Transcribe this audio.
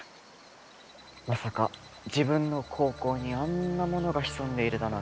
まさか自分の高校にあんなものが潜んでいるだなんて。